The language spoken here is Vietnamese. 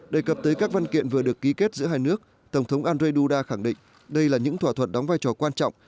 đề cập tới các văn kiện vừa được ký kết giữa hai nước tổng thống andrzej duda khẳng định đây là những thỏa thuận đóng vai trò quan trọng